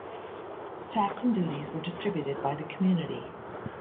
Tax and duties were distributed by the community.